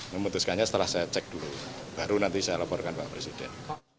memutuskannya setelah saya cek dulu baru nanti saya laporkan pak presiden